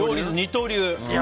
二刀流？